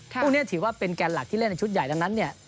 พวกนี้ถือว่าเป็นแกนหลักที่เล่นในชุดใหญ่ดังนั้นเนี่ย